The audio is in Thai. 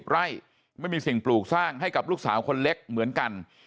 ไร่ไม่มีสิ่งปลูกสร้างให้กับลูกสาวคนเล็กเหมือนกัน